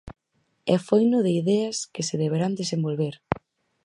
E foino de ideas que se deberán desenvolver.